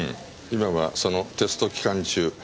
今はそのテスト期間中。